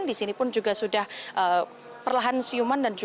di sini pun juga sudah perlahan siuman